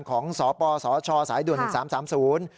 ของสปสชสโด่น๑๓๓๐